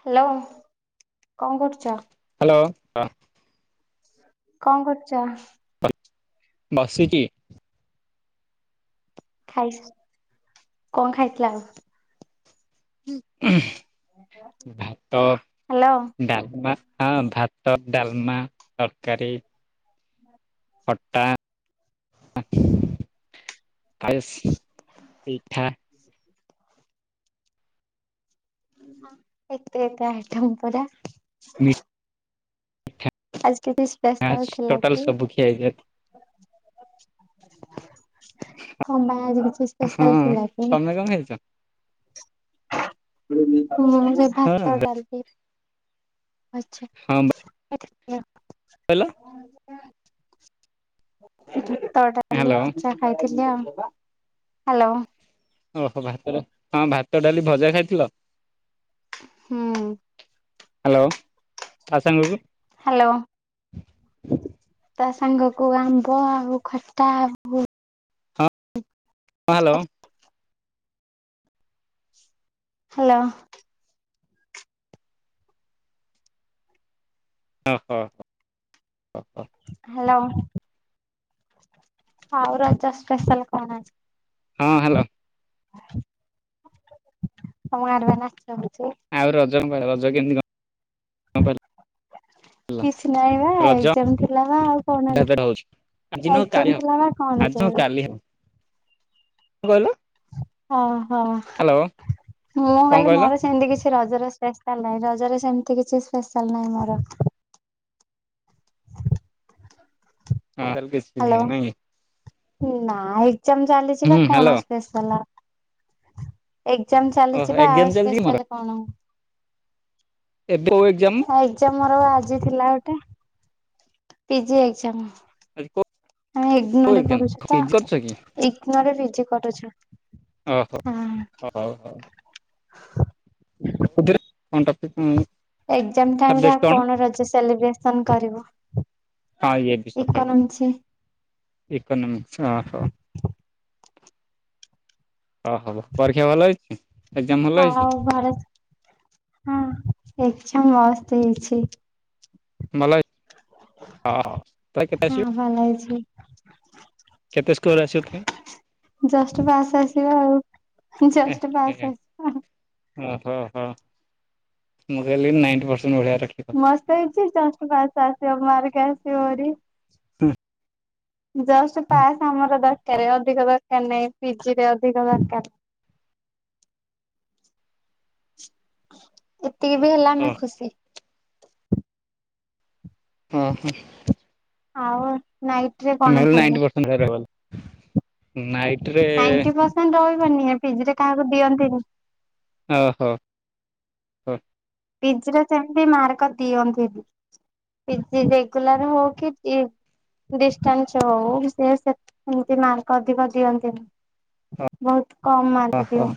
Hello, କଣ କରୁଛ? Hello କଣ କରୁଚ? ବସିଚି। ଖାଇସ୍, କଣ ଖାଇଥିଲା ଆଉ? ଉଁ ହୁଁ ଭାତ। ହ୍ୟାଲୋ ଡାଲମା, ହଁ ଭାତ, ଡାଲମା ତରକାରୀ। ଖଟା ଆଉ ଆୟସ୍, ପିଠା। ଏତେ ଏତେ ଆଇଟମ୍ ପରା। ମିଠା ଆଜି କିଛି ସ୍ପେଶାଲ୍ ଥିଲା ଟୋଟାଲ କି? ସବୁ ଖିଆ ହେଇଛି ତମର ଆଜି କିଛି ହଁ ସ୍ପେଶାଲ ଥିଲା କି? ତମେ କଁ ଖାଇଚ? ମୁଁ ସେଇ ହଁ ଭାତ, ଡାଲି ଆଚ୍ଛା। ହଁ। ସେ କହିଲ ତ ଟା କାଲି ହ୍ୟାଲୋ ପିଜା ଖାଇଥିଲି ଆଉ, ହାଲୋ। ଓହୋ ଭାତଟା ହଁ ଭାତ, ଡାଲି, ଭଜା ଖାଇଥିଲ? ହୁଁ। ହାଲୋ ଆଉ ସାଙ୍ଗକୁ? ହାଲୋ। ତା ସାଙ୍ଗକୁ ଆମ୍ବ ଆଉ ଖଟା ଆଉ ହଁ, ହାଲୋ। ହ୍ୟାଲୋ ଓ ହୋ ହ୍ୟାଲୋ ହଉ ରଜା ସ୍ପେଶାଲ କଣ ଅଛି? ହଁ ହ୍ୟାଲୋ ତମ ଗାଁ ରେ ବା ନାଚ ହଉଛି। ଆଉ ରଜ କଣ ରଜ କେମିତି କଣ କଣ। ପାଳିଲ କିଛି ନାହିଁ ବା ରଜ ଏକ୍ଜାମ ଥିଲା ବା ଆଉ କଣ ହେଲା ହଉଛି ଆଜି ନୁହଁ କାଲି ଏକ୍ସାମ ହବ ଥିଲା ବା କଣ ଆଜି ଯା ନୁହଁ କାଲି ହବ କହିଲ ହଁ ହଁ ହ୍ୟାଲୋ ମୁଁ କଣ କହଲି କହିଲ ମୋର ସେମିତି କିଛି ରଜର ସ୍ପେଶାଲ ନାହିଁ ରଜର ସେମିତି କିଛି ସ୍ପେଶାଲ ନାହିଁ ମୋର ହଁ ତଲ [inaudible] କେସିବିନି ହ୍ୟାଲୋ ନ ନାଇଁ ନା ଏକ୍ସାମ୍ ଚାଲିଛି ବା ହୁଁ ହ୍ୟାଲୋ କଣ ସ୍ପେଷାଲ ଆଉ ଏକ୍ସାମ ଓହୋ ଚାଲିଛି ବା ଆଉ ଏକ୍ଜାମ ଚାଲିଛି କି ମୋର ସ୍ପେସିଆଲ କଣ? ଏବେ କୋଉ ଏକ୍ଜାମ ଆ ର ଆଜି ଥିଲା ଗୋଟେ ପିଜି ଏକ୍ସାମ୍ ଆ ଆ ଇଗନୋର କରୁଛୁ ତ କି ଇଗନୋର ପିଜି କରୁଛୁ ଓହୋ ହଁ ହ ହଉ [inaudible] ଏକ୍ସାମ୍ ଟାଇମରେ ଆଉ କଣ ରଜ ସେଲିବ୍ରେସନ କରିବ? ହଁ ଏ ବି ସ ଇକନମିକ୍ସ ହ ହ ଓ ହୋ ପରୀକ୍ଷା ଭଲ ହେଇଛି। ଏକ୍ଜାମ ଭଲ ହେଇଛି ହଉ ଘରେ ହଁ ଏକ୍ସାମ୍ ମସ୍ତ୍ ହେଇଛି। ଭଲ ତ କେତେସ ହଁ ଭଲ ଲାଗଛି କେତେ ସ୍କର ଆସିବ ତାହାଲେ ଜଷ୍ଟ ପାସ୍ ଆସିବା ଆଉ ଏ ଜଷ୍ଟ ପାସ୍ ହେ ଆସିବ ଆଉ। ଓ ହୋ ହୋ ମୁଁ କହିଲି ନାଇଣ୍ଟି ପରର୍ସେଣ୍ଟ ଭଳିଆ ରଖ ମସ୍ତ ହେଇଛି ଯଷ୍ଟ ପାସ ଆସିବ ମାର୍କ ଆସିବ ହେରି। ହୁଁ ଯଷ୍ଟ୍ ହୁଁ ପାସ ଆମର ଦରକାର ଅଧିକ ଦରକାର ନାହିଁ ପିଜିରେ ଅଧିକ ଦରକାର ଏତିକି ବି ହେଲା ଆମେ ଓ ହଁ ଖୁସି ହଁ ହଁ ଆଉ ନାଇଟ ରେ କଣ ନହେଲେ ଖାଇବ? ନାଇଣ୍ଟି ପର୍ସେଣ୍ଟ ରହିବ ବୋଲି ନା ନାଇଣ୍ଟି ପରସେଣ୍ଟ ରହିବନି ପିଜି ରେ କାହାକୁ ଦିଅନ୍ତି ନି। ଓହୋ ପିଜର ସେମତି ମାର୍କ ଦିଅନ୍ତିି ନି। ପିଜି ରେଗୁଲର ହଉ କି ଡିଷ୍ଟାନ୍ସ ହଉ ସେମିତି ମାର୍କ ଅଧିକ ଦିଅନ୍ତିନି। ବହୁତ କମ୍ ମାର୍କ ଓହୋ ଦିଅ।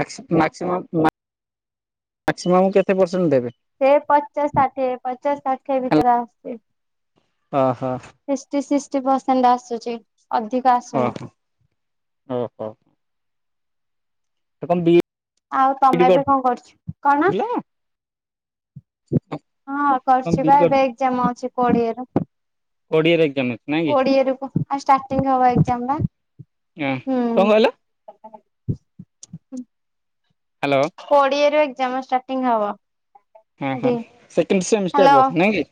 ମାକ୍ସିମମ୍ ମାକ୍ସିମମ୍ କେତେ ପରସେଣ୍ଟ ଦେବେ? ସେ ପଚାଶ ଷାଠିଏ ପଚାଶ ଷାଠିଏ ଭିତରେ ଆସଛି। ଓ ହୋ। ସିକଷ୍ଟି ସିକଷ୍ଟି ପରସେଣ୍ଟ ଆସୁଛି ଅଧିକ ଆସୁନି। ଓହୋ ଓହୋ। ସେ ବି [inaudible] ଆଉ ଇ ଡି ତମେ ଏବେ କଣ କରୁଛ କଣ? କରୁଥିଲ? ହଁ କଣ କରଛି ବି ବା ଇ ଡି ଏବେ ଏକ୍ଜାମ ଅଛି କୋଡିଏରେ। ଓଡ଼ିଆରେ ଏକଜାମ ଅଛି। ନାଇଁ କି? କୋଡିଏ ରୁ କ ଷ୍ଟାଟିଙ୍ଗ ହବ ଏଗଜାମ ନାଁ ଓହୋ କଣ କହିଲ? ହୁଁ। ହ୍ୟାଲୋ। କୋଡିଏ ରୁ ଏକ୍ଜାମ ଷ୍ଟାର୍ଟିଂ ହବ। ହୁଁ ହୁଁ ଏଠି ସେକଣ୍ଡ ସେମିଷ୍ଟାର ହ୍ୟାଲୋ ବୋଧେ ନାଇଁ କି?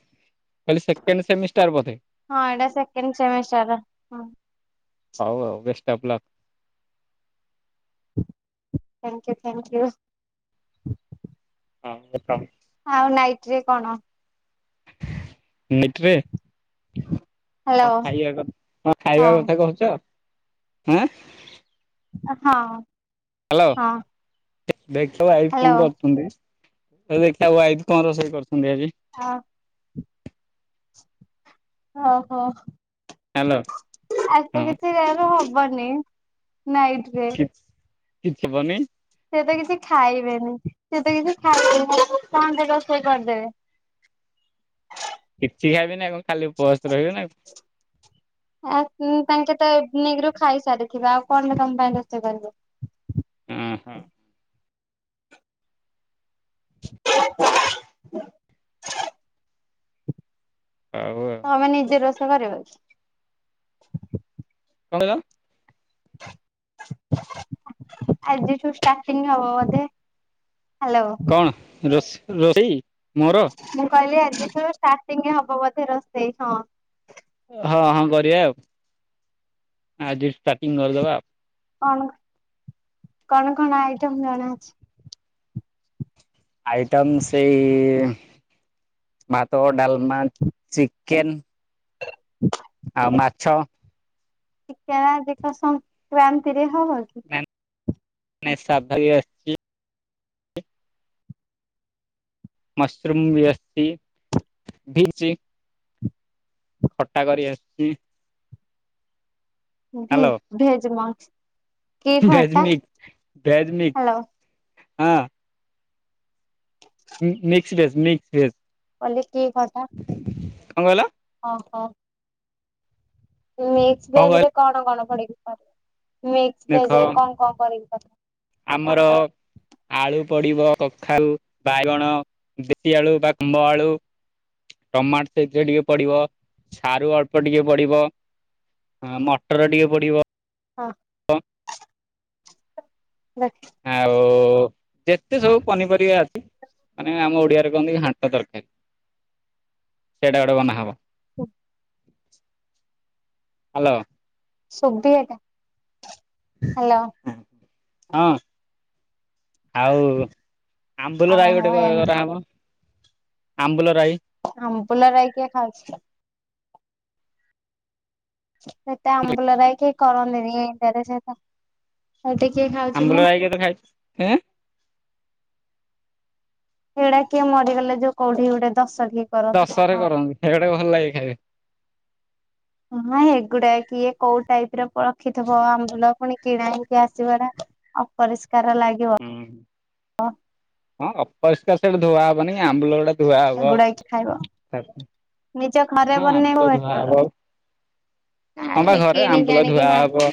କହିଲି ସେକେଣ୍ଡ ସେମିଷ୍ଟାର ବଧେ। ହଁ ଏଇଟା ସେକେଣ୍ଡ ସେମିଷ୍ଟାର। ହଁ ହଉ ଆଉ best of luck. Thank you thank you. ହଁୱେଲକମ। ଆଉ ନାଇଟ ରେ କଣ? ମିଟରେ। ହ୍ୟାଲୋ କଣ ଖାଇବା କଥା କ ଖାଇବା ହଁ କଥା କହୁଛଁ ଆଁ? ହଁ। ହ୍ୟାଲୋ ହଁ ଦେଖିବ ଆଇ ଫୋନ ହ୍ୟାଲୋ କରୁଛନ୍ତି? କହିଲି ଦେଖିଆ ୱାଇଫ କଣ ରୋଷେଇ କରୁଛନ୍ତି ଆଜି? ହଁ। ଓହୋ ହ୍ୟାଲୋ ଆଜି ତ ହଁ କିଛି [inaudible] ଣ ହବ ବନି ନାଇଟରେ କିଛି କିଛି ହେବନି। ସେ ତ କିଛି ଖାଇବେନି ସେ ତ କିଛି ଖାଇବେନି କଣ୍ଟେ ରୋଷେଇ କରିଦେବେ। କିଛି ଖାଇବିନି ଆଉ କଣ ଖାଲି ଉପବାସ ରହିବେ ନା ଆ ତାଙ୍କେ ତ ଏଇଭନିଂରୁ ଖାଇସାରିଥିବେ ଆଉ କଣ ତମ ପାଇଁ ରୋଷେଇ କରିବେ। ଉ ହୁଁ। ଆଉ। ତମେ ନିଜେ ରୋଷେଇ କରିବ? କଣ କହିଲ? [inaudible] ଆଜିଠୁ ଷ୍ଟାର୍ଟିଂ ହବ ବୋଧେ ହାଲୋ। କଣ ରୋଷେଇ ମୋର? ମୁଁ କହିଲି ଆଜିଠୁ ଷ୍ଟାର୍ଟିଂ ହବ ବୋଧେ ରୋଷେଇ ହଁ। ହଁ ହଁ କରିବା ଆଉ ଆଜି ଷ୍ଟାଟିଂ କରିଦବା ଆଉ। କଣ କଣ କଣ ଆଇଟମ୍ ଜଣାଅଛି? ଆଇଟମ୍ ସେଇ ଭାତ ଡାଲମା ଚିକେନ୍। ହ ଆଉ ମାଛ। କିଣା ବିକା ସଂକ୍ରାନ୍ତିରେ ହବ କି? ସାଧା [unintelligible] [inaudible] ଖଟା କରି ଆସିଛି। ଭି ହ୍ୟାଲୋ ଭେଜମଞ୍ଚ। Veg mix veg hello mix ହଁ। Mix veg mix veg. କଲେ କି କଥା କଣ କହିଲ? ଅହୋ। ମିକ୍ସି କଣ କହିଲ ଭେଜରେ କଣ କଣ ପଡିକି କର। ମିକ୍ସ ଦେଖ ଭେଜ ରେ କଣ କଣ ପଡିକି କର? ଆମର ଆଳୁ ପଡିବ କଖାଉ, ବାଇଗଣ, ଦେଶୀ ଆଳୁ, ବା ଖମ୍ଭ ଆଳୁ ଟମାଟ ସେଥିରେ ଟିକେ ପଡିବ। ସାରୁ ଅଳ୍ପ ଟିକେ ପଡିବ। ହଁ ମଟର ଟିକେ ପଡିବ। ହଁ। ରଖ। ଆଉ ଯେତେ ସବୁ ପନିପରିବା ଅଛି ମାନେ ଆମ ଓଡିଆରେ କହନ୍ତି ଘାଣ୍ଟ ତରକାରୀ। ସେଇଟା ଗୋଟେ ବନାହବ। ହୁଁ। ହ୍ୟାଲୋ। ସୁଭିି ହ୍ୟାଲୋ। ହଁ ଆଉ ଆମ୍ବୁଲ ରାଇ ଓହୋ ଗୋଟେ ଏମିତି କରାହବ ଆମ୍ବୁଲ ରାଇ ଆମ୍ବୁଲ ରାଇ କିଏ ଖାଉଛି କି? ସେଟା ଆମ୍ବୁଲ ରାଇ କିଏ କରନ୍ତିନି ଏଠାରେ ସେଇଟା ଏଇଠି କିଏ ଖାଏ ଆମ୍ବୁଲ ରାଇ କେବେ ଖାଇଛ ଏଁ ଏଇଡା କିଏ ମରିଗଲେ ଯୋଉ କଉଠି ଗୋଟେ ଦଶ କରନ୍ତି ଦଶରେ ମନ କରନ୍ତି ଖାଇବାଟେ ଭଲ ଲାଗେ ଖାଇବାକୁ। ହଁ ଏଗୁଡା କିଏ କୋଉ ଟାଇପର ରଖିଥିବ ଆମ୍ବୁଲ ପୁଣି କିଣା ହେଇକି ଆସିବା ଟା ଅପରିଷ୍କାର ଲାଗିବ। ହୁଁ ହଁ ଅପରିଷ୍କାର ସେଇଟା ଧୁଆ ହବନି ଆମ୍ବୁଲ ଗୁଡା ଧୁଆ ହବ ଏଗୁଡା କି ଖାଇବ ନିଜ ଘରେ ହଁ ବନେଇବ ଆମ୍ବୁଲ ଧୁଆ ବେଟର ହବ। ହଁବା ଘରେ କିଣିକି ଆମ୍ବୁଲ ଆଣିକି ଧୁଆ ହବ।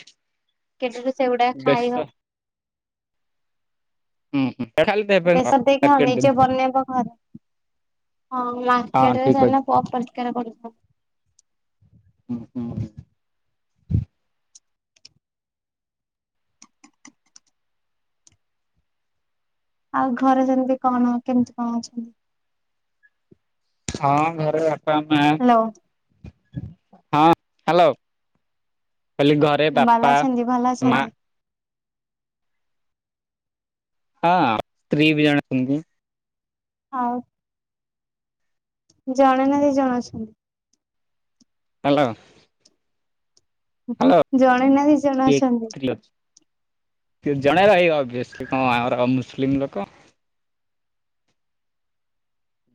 ମାର୍କେଟରୁ ସେଗୁଡା ଖାଇ ହବ ବେଶ ହୁଁ ହୁଁ ସେ ଖାଲି ଦେବେ ବେସର ଦେଇକି ମାର୍କେଟ ହଉ ଜିନିଷ ନିଜେ ବନେଇବ ଘରେ। ହଁ ମାର୍କେଟରେ ଠିକ ସେମାନେ ଅଛି ଅପରିଷ୍କାର କରୁ ହୁଁ ହୁଁ ହୁଁ। ଆଉ ଘରେ ସେମିତି କଣ କେମିତି କଣ ଅଛନ୍ତି? ହଁ ଘରେ ବାପା ମାଆ ହ୍ୟାଲୋ ହଁ ହ୍ୟାଲୋ। କହିଲି ଘରେ ଭଲ ବାପା ଅଛନ୍ତି ଭଲ ମା ଅଛନ୍ତି ହଁ ସ୍ତ୍ରୀ ବି ଜଣେ ଅଛନ୍ତି। ହଉ। ଜଣେ ନା ଦି ଜଣେ ଅଛନ୍ତି। ହାଲୋ। ହାଲୋ। ଜଣେ ନା ଦି ଜଣ ଅଛନ୍ତି କିଏ ଜଣେ ରହିବ ଅବିୟସିଲି ହଁ ଆମର ମୁସଲିମ୍ ଲୋକ।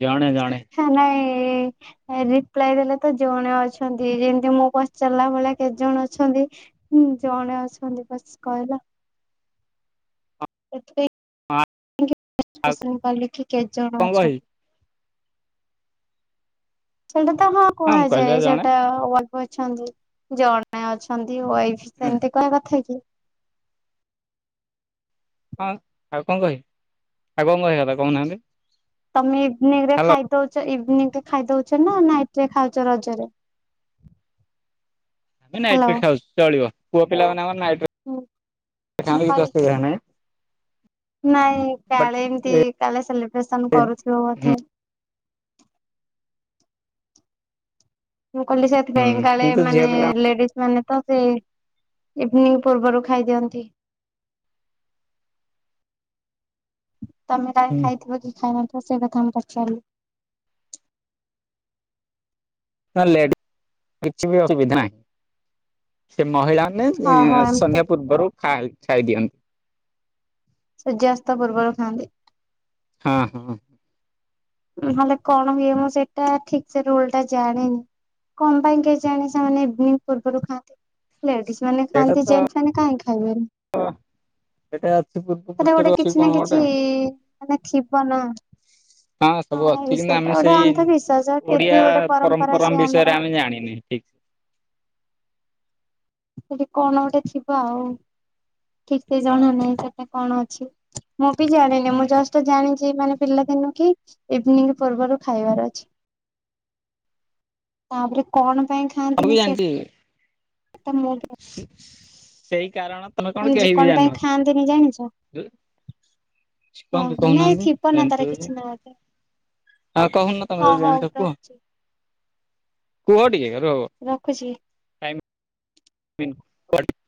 ଜଣେ-ଜଣେ। ଇଚ୍ଛା ନାଇଁ। ରିପ୍ଲାଇ ଦେଲେ ତ ଜଣେ ଅଛନ୍ତି ଯେମ୍ତି ମୁଁ ପଚାରିଲା ଭଳିଆ କେତେ ଜଣ ଅଛନ୍ତି। ହୁଁ ଜଣେ ଅଛନ୍ତି ବସ୍ କହିଲା ହଁ ସେଥିପାଇଁ କି ଆଉ [unintelligible] କେତେ ଜଣ କଣ କହିବି ଅଛନ୍ତି। ସେଇଟା ତ ହଁ ମୁଁ କହିଲି କୁହାଯାଏ ବା ଜଣେ ସେଟା ଅଳ୍ପ ଅଛନ୍ତି ଜଣେ ଅଛି। ଅଛନ୍ତି ୱାଇଫ୍ ହଁ ସେମତି କଣ କଥା ହେଇ କି। ହଁ ଆଉ କଣ କହିବି ଆଉ କଣ କହିବା କଥା କହୁନାହାନ୍ତି? ତମେ ଇଭିନିଂ ରେ ହ୍ୟାଲୋ ଖାଇଦଉଚ ଇଭିନିଂ ରେ ଖାଇଦଉଚ ନା ନାଇଟ୍ ରେ ଖାଉଚ ରଜରେ? ଆମେ ନାଇଟ୍ ହ୍ୟାଲୋ ଖାଉୁ ଚଳିବ ପୁଅ ପିଲାମାନେ ଆମର ନାଇଟ୍ ରେ ହୁଁ ମୁଁ ଖାଆନ୍ତି କିଛି କଲ୍ ଅସୁବିଧା ନାହିଁ ନାଇଁ ବଟ୍ କାଳେ ଏମ୍ତି କାଳେ ସେଲିବ୍ରେସନ୍ କରୁଥିବୁ ହୁଁ ବୋଧେ। ମୁଁ କହିଲି ସେଥିପାଇଁ କାଳେ କିନ୍ତୁ ଝିଅ ମାନେ ପିଲା ଲେଡିଜ୍ ମାନେ ତ ସେ ଇଭିନିଂ ପୂର୍ବରୁ ଖାଇଦିଅନ୍ତି। ତମେ କାଳେ ଖାଇଥିବ କି ଖାଇ ନଥିବ ସେଇ କଥା ମୁଁ ପଚାରିଲି। [unintelligible] କିଛି ବି ଅସୁବିଧା ନାହିଁ ସେ ମହିଳା ମାନେ ଓହୋ ଏମିତି ସନ୍ଧ୍ୟା ପୂର୍ବରୁ [unintelligible] ଖାଇ ଦିଅନ୍ତି। ସୂର୍ଯ୍ୟାସ୍ତ ପୂର୍ବରୁ ଖାଆନ୍ତି। ହଁ-ହଁ। ନହେଲେ କଣ ହୁଏ ମୁଁ ସେଇଟା ଠିକ୍ ସେ ରୁଲ୍ଟା ଜାଣିନି। କଣ ପାଇଁ କେ ଜାଣଣି ସେମାନେ ଇଭିନିଂ ପୂର୍ବରୁ ଖାଆନ୍ତି। ଲେଡିଜ୍ ମାନେ ସେଇଟା ଖାଆନ୍ତି ତ ଜେଣ୍ଟ ମାନେ କାହିଁ ଖାଇବେନି। ସେଇଟା ଅଛି ପୂର୍ବ ସେଟ ପୁରୁଷରୁ ଗୋଟେ ଅଛି କିଛି ନା କଣ ଗୋଟେ କିଛି ମାନେ ଥିବ ନା। ହଁ ସବୁ ଅଛି କିନ୍ତୁ ସେଇଟା ଆମେ ଗୋଟେ ସେଇ ଅନ୍ଧବିଶ୍ଵାସ ଫିର୍ ବି ଓଡିଆ ଗୋଟେ ପରମ୍ପରା ସିଏ ବିଷୟରେ ଆମର। ଆମେ ଜାଣିନି। ସେଠି କଣ ଗୋଟେ ଥିବ ଆଉ ଠିକ୍ ସେ ଜଣା ହଁ ନାହିଁ ସେଟା କଣ ଅଛି। ମୁଁ ବି ଜାଣିନି ମୁଁ ଜଷ୍ଟ ଜାଣିଛି ମାନେ ପିଲାଦିନୁ କି ଇଭିନିଂ ପୂର୍ବରୁ ଖାଇବାର ଅଛି। ତାପରେ କଣ ପାଇଁ ମୁଁ ବି ଖାଆନ୍ତିନି ସେ ଜାଣିଛି [unintelligible] ସେଇ କାରଣ ତମେ କଣ ମାନେ ଯେ କେହି ବି ପାଇଁ ଜାଣିନ। ଖାଆନ୍ତିନି ଜାଣିଛ? ହଁ [unintelligible] ହଁ ନାଇଁ କହୁନାହାନ୍ତି ଥିବ ନା ତାର ଜାଣିଚ ଯଦି। କିଛି ନା ଗୋଟେ ଆଉ କହୁନ ତମେ ହଁ ଯଦି ହଉ ଜାଣିଛ ମୁଁ ରଖୁଛି କୁହ-କୁହ ଟିକେ [unintelligible] ରଖୁଛି। ଟାଇମ୍ [unintelligible]